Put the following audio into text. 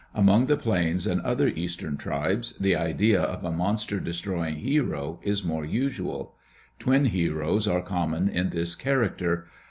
Among the Plains and other eastern tribes the idea of a monster destroy ing hero is more usual. Twin heroes are common in this character.